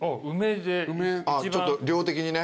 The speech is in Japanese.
ちょっと量的にね。